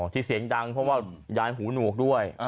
อ๋อที่เสียงดังเพราะว่ายานหูหนูกด้วย